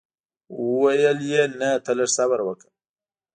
ویل یې نه ته لږ صبر وکړه.